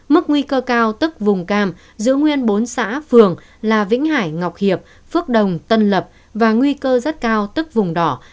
mức nguy cơ cao tức vùng cam giữ nguyên bốn xã phường là vĩnh hải ngọc hiệp phước đồng tân lập và nguy cơ rất cao tức vùng đỏ